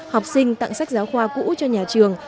học sinh tặng sách giáo khoa cũ cho nhà trường